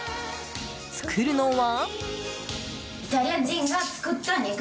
作るのは。